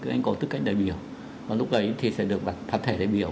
anh có tư cách đại biểu và lúc ấy thì sẽ được đặt thật thể đại biểu